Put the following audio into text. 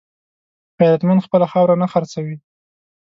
غیرتمند خپله خاوره نه خرڅوي